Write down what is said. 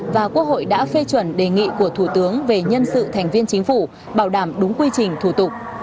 và quốc hội đã phê chuẩn đề nghị của thủ tướng về nhân sự thành viên chính phủ bảo đảm đúng quy trình thủ tục